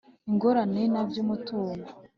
Ingorane na by umutungo